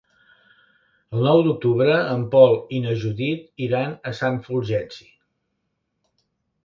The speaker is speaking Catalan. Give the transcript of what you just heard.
El nou d'octubre en Pol i na Judit iran a Sant Fulgenci.